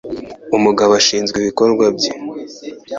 Umugabo ashinzwe ibikorwa bye.